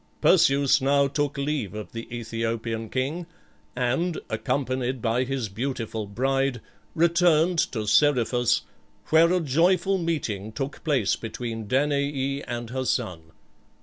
Perseus now took leave of the Æthiopian king, and, accompanied by his beautiful bride, returned to Seriphus, where a joyful meeting took place between Danaë and her son.